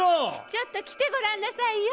ちょっときてごらんなさいよ。